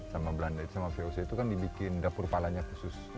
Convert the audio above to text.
sama belanda itu sama voc itu kan dibikin dapur palanya khusus